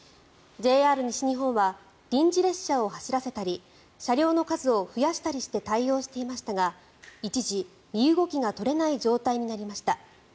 ＪＲ西日本は臨時列車を走らせたり車両の数を増やしたりして対応していましたが一時、身動きが取れない状態になりました。